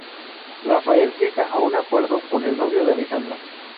Rafael llega a un acuerdo con el novio de Alejandra.